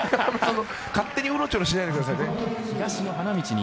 勝手にうろちょろしないでください。